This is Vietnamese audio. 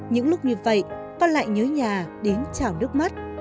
những lúc như vậy con lại nhớ nhà đến chào nước mắt